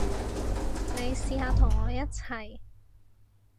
你試下同我一齊